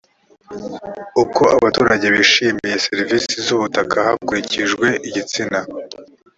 uko abaturage bishimiye serivisi z’ubutaka hakurikijwe igitsina